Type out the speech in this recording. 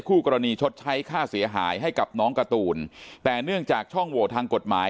คู่กรณีชดใช้ค่าเสียหายให้กับน้องการ์ตูนแต่เนื่องจากช่องโหวตทางกฎหมาย